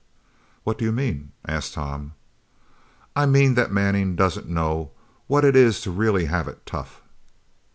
"What do you mean?" asked Tom. "I mean that Manning doesn't know what it is to really have it tough!"